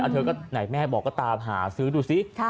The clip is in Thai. เธอก็ไหนแม่บอกก็ตามหาซื้อดูสิ